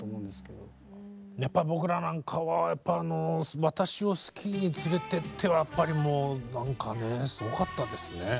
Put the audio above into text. やっぱ僕らなんかはやっぱあの「私をスキーに連れてって」はやっぱりもうなんかねすごかったですね。